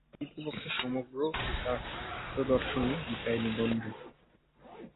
প্রকৃতপক্ষে সমগ্র বেদান্তদর্শনই গীতায় নিবদ্ধ।